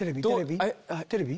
テレビ？